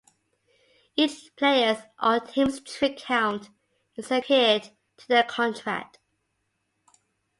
Each player's or team's trick count is then compared to their contract.